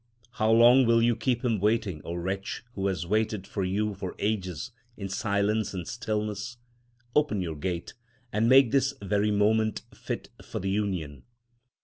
How long will you keep him waiting, O wretch, who has waited for you for ages in silence and stillness? Open your gate, and make this very moment fit for the union.